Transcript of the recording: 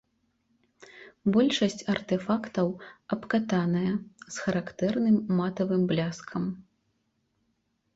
Большасць артэфактаў абкатаная, з характэрным матавым бляскам.